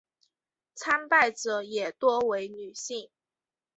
参拜者也多为女性。